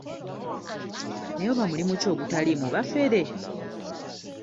Naye oba mulimu ki ogutaliimu bafere?